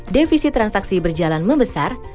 defisit transaksi berjalan membesar